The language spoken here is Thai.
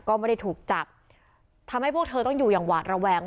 ก็ไม่ได้ถูกจับทำให้พวกเธอต้องอยู่อย่างหวาดระแวง